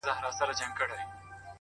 څوک وایي گران دی- څوک وای آسان دی-